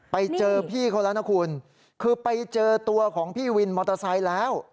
ไปเจอพี่เขาแล้วนะคุณคือไปเจอตัวของพี่วินมอเตอร์ไซค์แล้ว